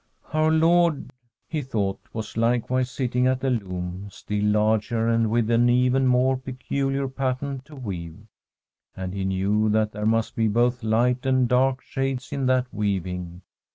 Our Lord, he [ I'i^^ J A STORY ffm HALSTANAS thought, was likewise sitting at a loom, still larger, and with an even more peculiar pattern to weave. And he knew that there must be both light and dark shades in that weaving.